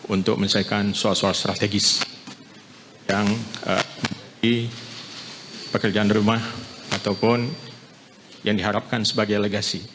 untuk menyelesaikan soal soal strategis yang di pekerjaan rumah ataupun yang diharapkan sebagai legasi